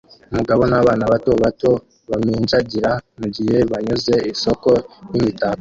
Umugabo nabana bato bato baminjagira mugihe banyuze isoko yimitako